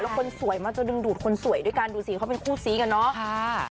แล้วคนสวยมาจะดึงดูดคนสวยด้วยการดูสีเขาเป็นคู่สีกันเนอะ